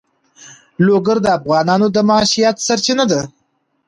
لوگر د افغانانو د معیشت سرچینه ده.